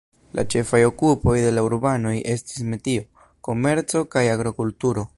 La ĉefaj okupoj de la urbanoj estis metio, komerco kaj agrokulturo.